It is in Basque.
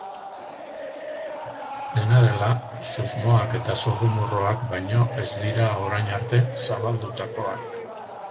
Dena dela, susmoak eta zurrumurruak baino ez dira orain arte zabaldutakoak.